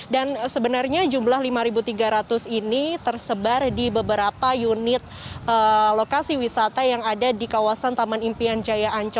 dan sebenarnya jumlah lima tiga ratus ini tersebar di beberapa unit lokasi wisata yang ada di kawasan taman impian jaya